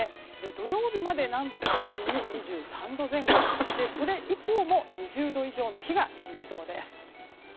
土曜日まで南部中心に２３度前後それ以降も２０度以上の日が続きそうです。